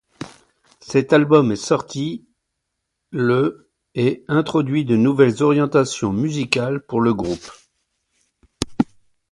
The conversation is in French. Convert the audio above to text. Cet album est sorti le et introduit de nouvelles orientations musicales pour le groupe.